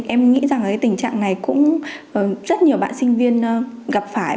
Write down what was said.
em nghĩ rằng cái tình trạng này cũng rất nhiều bạn sinh viên gặp phải